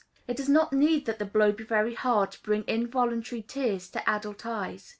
It does not need that the blow be very hard to bring involuntary tears to adult eyes.